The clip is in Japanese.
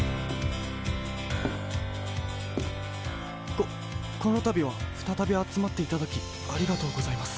こっこのたびはふたたびあつまっていただきありがとうございます。